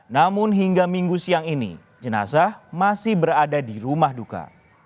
namun hingga minggu siang ini jenazah masih berada di rumah duka